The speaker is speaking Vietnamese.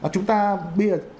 chúng ta biết